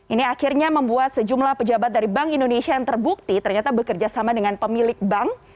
ini akhirnya membuat sejumlah pejabat dari bank indonesia yang terbukti ternyata bekerja sama dengan pemilik bank